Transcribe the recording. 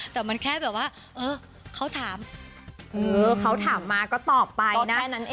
แต่มันแค่ว่าเอ๊ะเขาถามมาก็ตอบไปนะ